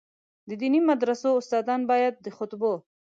د دیني مدرسو استادان باید د خطبو.